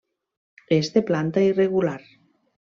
És de planta irregular.